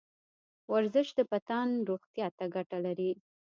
ورزش د بدن روغتیا ته ګټه لري.